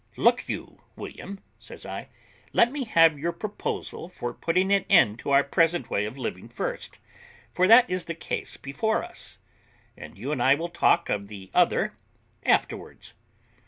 "Look you, William," says I; "let me have your proposal for putting an end to our present way of living first, for that is the case before us, and you and I will talk of the other afterwards.